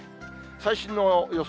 最新の予想